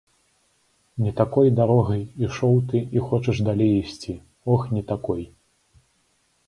Не такой дарогай ішоў ты і хочаш далей ісці, ох, не такой.